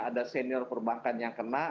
ada senior perbankan yang kena